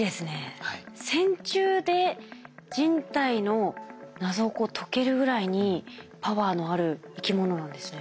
線虫で人体の謎を解けるぐらいにパワーのある生き物なんですね。